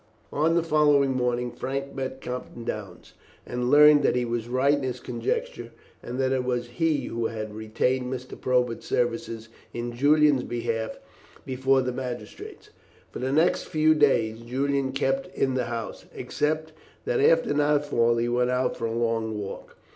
On the following morning Frank met Captain Downes, and learned that he was right in his conjecture, and that it was he who had retained Mr. Probert's services in Julian's behalf before the magistrates. For the next few days Julian kept in the house, except that after nightfall he went out for a long walk.